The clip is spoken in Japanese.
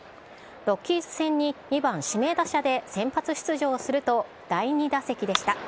ロッキーズ戦に２番指名打者で先発出場すると、第２打席でした。